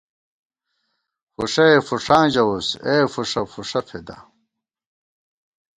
فُݭَئے فُوݭاں ژَوُس، اے فُوݭہ، فُوݭہ فېدا